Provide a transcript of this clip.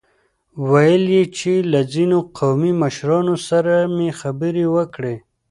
ويل يې چې له ځينو قومي مشرانو سره مې خبرې وکړې.